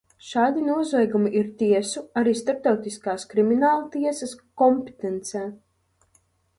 Šādi noziegumi ir tiesu, arī Starptautiskās Krimināltiesas, kompetencē.